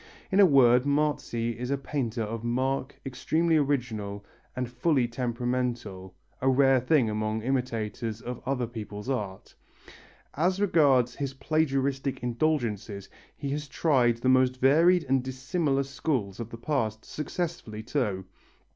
In a word, Marzi is a painter of mark, extremely original and fully temperamental a rare thing among imitators of other people's art. As regards his plagiaristic indulgences, he has tried the most varied and dissimilar schools of the past, successfully too.